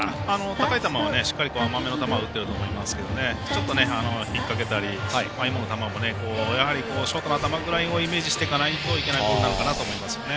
高い球はしっかりと甘めの球を打ってると思いますがちょっと、引っ掛けたり今の球もやはりショートの頭くらいをイメージしていかないといけないボールなのかなと思いますね。